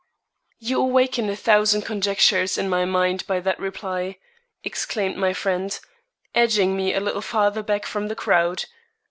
"You awaken a thousand conjectures in my mind by that reply," exclaimed my friend, edging me a little farther back from the crowd.